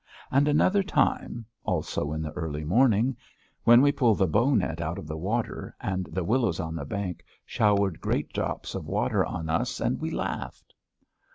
And another time also in the early morning when we pulled the bow net out of the water, and the willows on the bank showered great drops of water on us and we laughed....